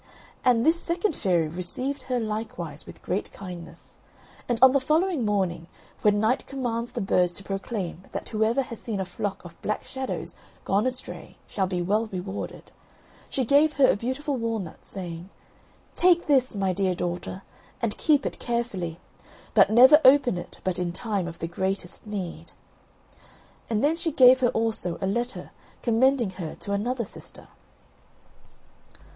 And this second fairy received her likewise with great kindness; and on the following morning, when Night commands the birds to proclaim that whoever has seen a flock of black shadows gone astray shall be well rewarded, she gave her a beautiful walnut, saying, "Take this, my dear daughter, and keep it carefully; but never open it, but in time of the greatest need." And then she gave her also a letter, commending her to another sister.